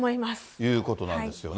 いうことなんですよね。